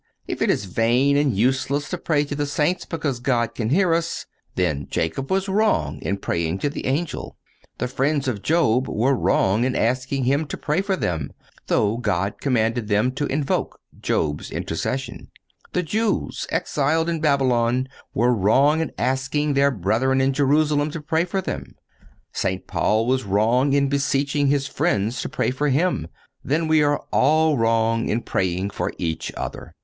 If it is vain and useless to pray to the saints because God can hear us, then Jacob was wrong in praying to the angel; the friends of Job were wrong in asking him to pray for them, though God commanded them to invoke Job's intercession; the Jews exiled in Babylon were wrong in asking their brethren in Jerusalem to pray for them; St. Paul was wrong in beseeching his friends to pray for him; then we are all wrong in praying for each other.